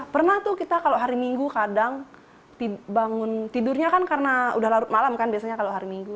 pernah tuh kita kalau hari minggu kadang bangun tidurnya kan karena udah larut malam kan biasanya kalau hari minggu